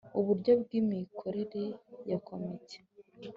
Uburyo bw imikorere ya Komite